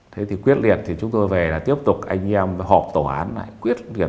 thế thì quyết liền thì chúng tôi về là tiếp tục anh em họp tòa án lại